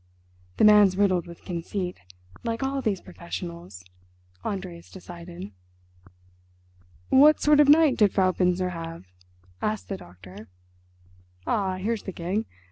"The man's riddled with conceit, like all these professionals," Andreas decided. "What sort of night did Frau Binzer have?" asked the doctor. "Ah, here's the gig.